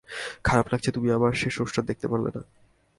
খারাপ লাগছে তুমি আমার শেষ অনুষ্ঠান দেখতে পারলে না।